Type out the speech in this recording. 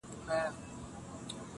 گراني ددې وطن په ورځ كي توره شپـه راځي